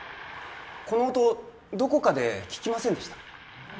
この音どこかで聞きませんでした？